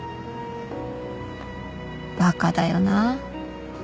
バカだよなぁ